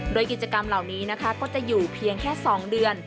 โดยกิจกรรมเหล่านี้นะคะก็จะอยู่เพียงแค่๒เดือน